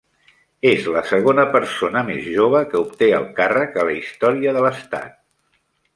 És la segona persona més jove que obté el càrrec a la història de l'estat.